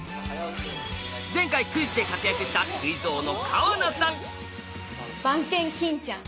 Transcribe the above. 前回クイズで活躍したクイズ王の川名さん。